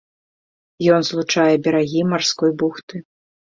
Ён злучае берагі марской бухты.